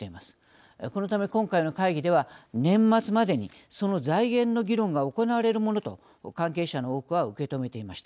このため今回の会議では年末までにその財源の議論が行われるものと関係者の多くは受け止めていました。